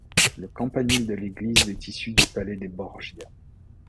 Le campanile de l'église est issu du palais des Borgia.